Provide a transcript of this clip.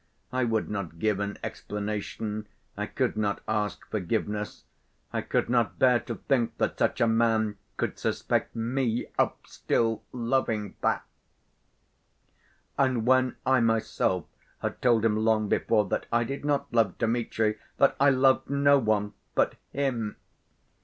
I would not give an explanation, I could not ask forgiveness. I could not bear to think that such a man could suspect me of still loving that ... and when I myself had told him long before that I did not love Dmitri, that I loved no one but him!